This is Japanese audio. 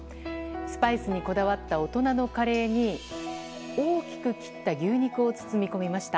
スパイスにこだわった大人のカレーに大きく切った牛肉を包み込みました。